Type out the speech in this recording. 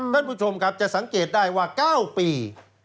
ท่านผู้ชมครับจะสังเกตได้ว่า๙ปี